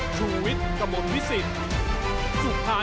ชูวิตตีแสงหน้า